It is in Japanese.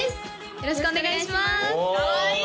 よろしくお願いしますかわいい！